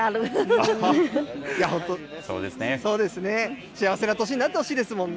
そうですね、幸せな年になってほしいですもんね。